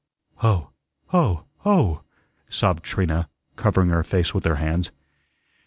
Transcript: "Oh! Oh! Oh!" sobbed Trina, covering her face with her hands.